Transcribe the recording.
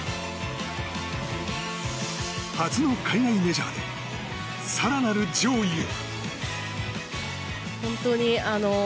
初の海外メジャーで更なる上位へ。